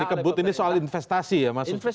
jadi memang ini soal investasi ya mas